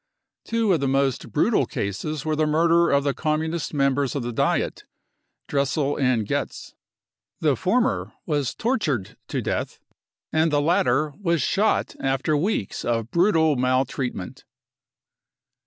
Two of the most brutal cases were the murder of the Communist members of the Diet, Dressel and Goetz ; the former was tortured to death, and the latter was shot after weeks of brutal maltreatment.